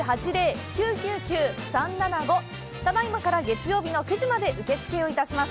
ただいまから月曜日の９時まで受け付けをいたします。